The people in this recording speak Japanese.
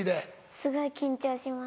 すごい緊張します。